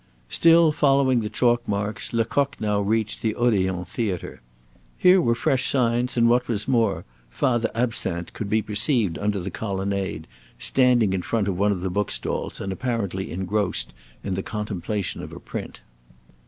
Still following the chalk marks, Lecoq now reached the Odeon theatre. Here were fresh signs, and what was more, Father Absinthe could be perceived under the colonnade, standing in front of one of the book stalls, and apparently engrossed in the contemplation of a print.